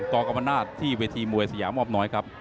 ตอกรรมนาศที่เวทีมวยสยามอบนอย